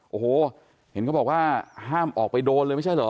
โอ้โหเห็นเขาบอกว่าห้ามออกไปโดนเลยไม่ใช่เหรอ